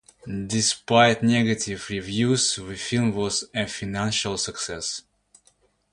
Despite negative reviews, the film was a financial success.